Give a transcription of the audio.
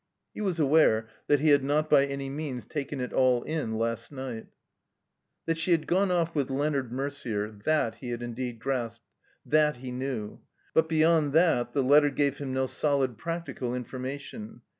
He was aware that he had not by any means taken it all in last night. 250 THE COMBINED MAZE That she had gone off with Leonard Mercier, that he had indeed grasped, that he knew. But beyond that the letter gave him no solid practical informa tion.